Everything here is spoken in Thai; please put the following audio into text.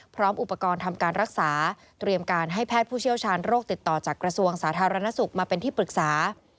พร้อมอุปกรณ์ทำการรักษาเตรียมการให้แพทย์ผู้เชี่ยวชาญโรคติดต่อจากกระทรวงสาธารณสุขมาเป็นที่ปรึกษา